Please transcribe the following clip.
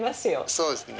そうですね。